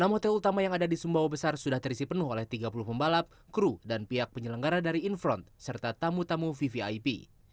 enam hotel utama yang ada di sumbawa besar sudah terisi penuh oleh tiga puluh pembalap kru dan pihak penyelenggara dari infront serta tamu tamu vvip